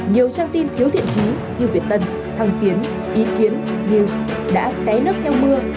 nhiều trang tin thiếu thiện trí như việt tân thăng tiến ý kiến như đã té nước theo mưa